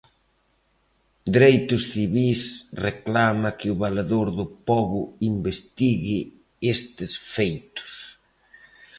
Dereitos civís reclama que o Valedor do Pobo investigue estes feitos.